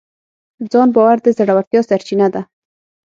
ځان باور د زړورتیا سرچینه ده.